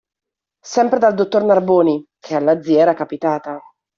Sempre dal dottor Narboni, che alla zia era capitata.